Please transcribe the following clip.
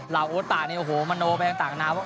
เหล่าโอตาเนี่ยโอ้โหมะโนไปต่างนาว